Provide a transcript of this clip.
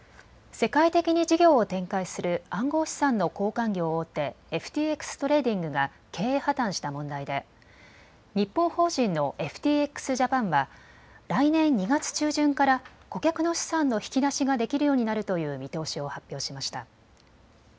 世界的に事業を展開する暗号資産の交換業大手、ＦＴＸトレーディングが経営破綻した問題で、日本法人のＦＴＸジャパンは来年２月中旬から顧客の資産の引き出しができるようになるという見通しを発表しました。